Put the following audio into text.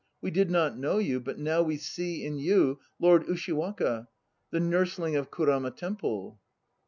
We did not know you; but now we see in you Lord Ushiwaka, the nursling of Kurama Temple.